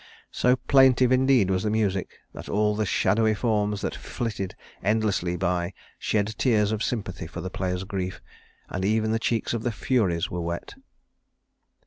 So plaintive, indeed, was the music, that all the shadowy forms that flitted endlessly by shed tears of sympathy for the player's grief, and even the cheeks of the Furies were wet.